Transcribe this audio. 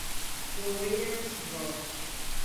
The Wayans Bros.